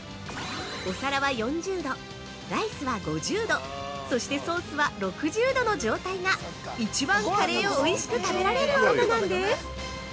お皿は４０度、ライスは５０度そしてソースは６０度の状態が一番カレーをおいしく食べられる温度なんです！